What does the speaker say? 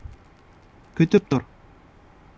Көтөп тор.